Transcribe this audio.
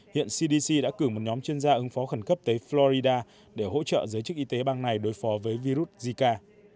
hiện cdc đã cử một nhóm chuyên gia ứng phó khẩn cấp tới florida để hỗ trợ giới chức y tế bang này đối phó với virus zika